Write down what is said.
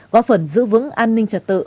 có phần giữ vững an ninh trật tự